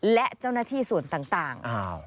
และเจ้าหน้าที่ส่วนต่าง